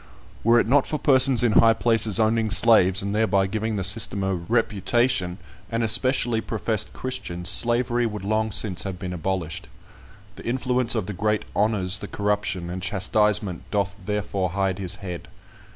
Were it not for persons in high places owning slaves, and thereby giving the system a reputation, and especially professed Christians, Slavery would long since have been abolished. The influence of the great "honours the corruption, and chastisement doth therefore hide his head."